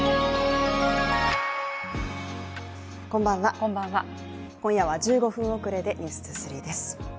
こんばんは、今夜は１５分遅れで「ｎｅｗｓ２３」です。